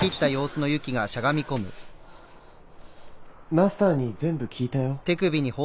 ・マスターに全部聞いたよ。